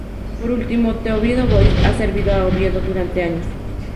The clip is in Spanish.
Por último, "The Oviedo Voice" ha servido a Oviedo durante años.